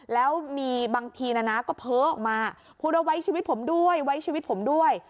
แล้วมีบางทีนะนะก็เพ้อออกมาพูดเอาไว้ชีวิตผมด้วยไว้ชีวิตผมด้วย